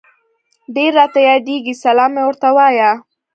ډير راته ياديږي سلام مي ورته وايه